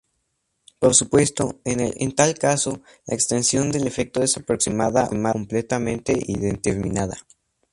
Por supuesto, en tal caso, la extensión del efecto es aproximada o completamente indeterminada.